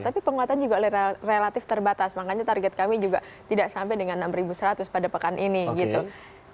tapi penguatan juga relatif terbatas makanya target kami juga tidak sampai dengan enam seratus pada pekan ini gitu